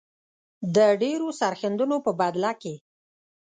د ډیرو سرښندنو په بدله کې.